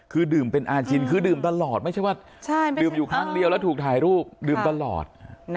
คือดื่มเป็นอาชินคือดื่มตลอดไม่ใช่ว่าดื่มอยู่ครั้งเดียวแล้วถูกถ่ายรูปดื่มตลอด